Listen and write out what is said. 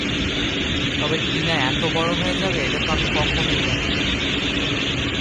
তবে টিনা এত বড় হয়ে যাবে, এটাতো আমি কখনই ভাবিনি।